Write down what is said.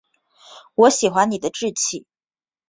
我喜欢你的志气